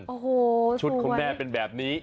โอ้โหชุดของแม่เป็นแบบนี้